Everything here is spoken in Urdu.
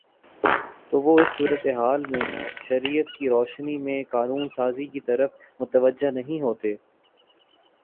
تو وہ اس صورتِ حال میں شریعت کی روشنی میں قانون سازی کی طرف متوجہ نہیں ہوتے